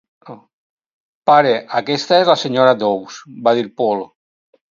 "Pare, aquesta és la Sra. Dawes", va dir Paul.